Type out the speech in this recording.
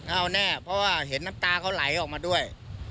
เอาแน่เพราะว่าเห็นน้ำตาเขาไหลออกมาด้วย